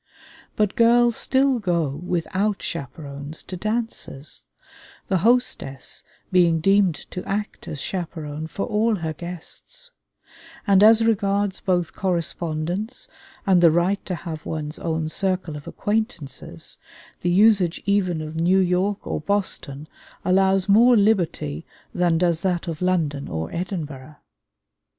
But girls still go without chaperons to dances, the hostess being deemed to act as chaperon for all her guests; and as regards both correspondence and the right to have one's own circle of acquaintances, the usage even of New York or Boston allows more liberty than does that of London or Edinburgh.